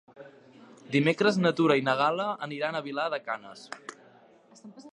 Dimecres na Tura i na Gal·la aniran a Vilar de Canes.